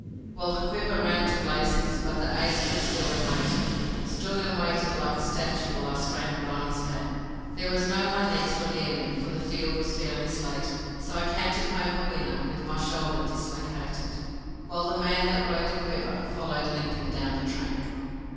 Well, the Quiver ran to blazes, but the Ace stood still and waited, Stood and waited like a statue while I scrambled on his back. There was no one next or near me for the field was fairly slated, So I cantered home a winner with my shoulder dislocated, While the man that rode the Quiver followed limping down the track.